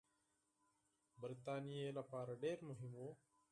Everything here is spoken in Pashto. برټانیې لپاره ډېر مهم وه.